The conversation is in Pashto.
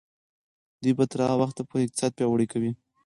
دوی به تر هغه وخته پورې اقتصاد پیاوړی کوي.